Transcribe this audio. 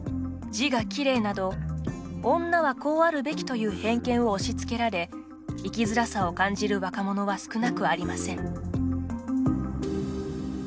「字がきれい」など女はこうあるべきという偏見を押しつけられ生きづらさを感じる若者は少なくありません。